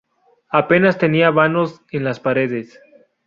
Apenas tienen vanos en las paredes.